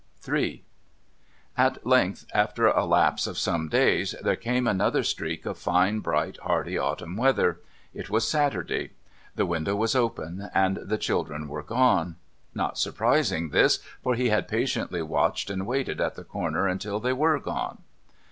Ill At length, after a lapse of some days, there came another streak of fine bright, hardy autumn weather. It was a Saturday. The window was open, and the children were gone. Not surprising, this, for he had patiently watched and waited at the corner until they were gone.